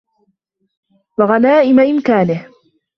وَغَنَائِمِ إمْكَانِهِ